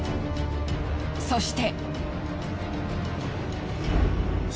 そして。